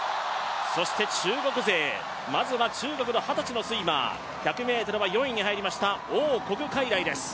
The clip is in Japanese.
そして中国勢、まずは中国の二十歳のスイマー、１００ｍは４位に入りました、王谷開来です。